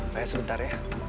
raya sebentar ya